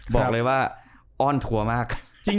บอกเลยว่าอ้อนทัวร์มาก